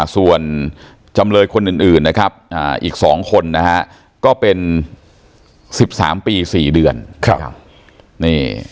ส่วนจำเลยคนอื่นนะครับอีก๒คนนะฮะก็เป็น๑๓ปี๔เดือน